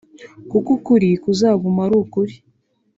kuko ukuri kuzaguma ari ukuri